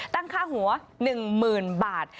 ตั้งค่าหัว๑๐๐๐บาท